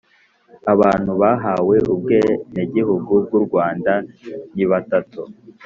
Abantu bahawe Ubwenegihugu bw’ u Rwanda nibatatu